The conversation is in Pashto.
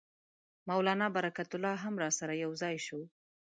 مولنا برکت الله هم راسره یو ځای شو.